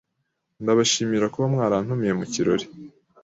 Ndabashimira kuba mwarantumiye mu kirori.